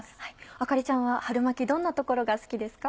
あかりちゃんは春巻きどんなところが好きですか？